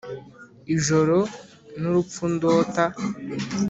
ijoro n'urupfu ndota;